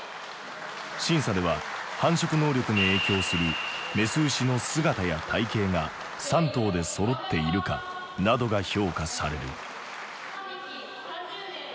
審査では繁殖能力に影響する雌牛の姿や体形が３頭でそろっているかなどが評価される。